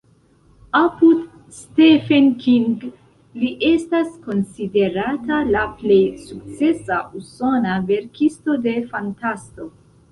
Apud Stephen King li estas konsiderata la plej sukcesa usona verkisto de fantasto.